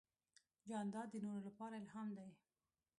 جانداد د نورو لپاره الهام دی.